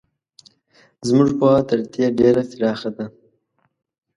زموږ پوهه تر دې ډېره پراخه ده.